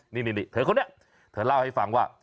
นี่เธอคนนี้เธอเล่าให้ฟังว่า